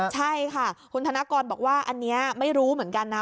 ใช่ค่ะคุณธนกรบอกว่าอันนี้ไม่รู้เหมือนกันนะ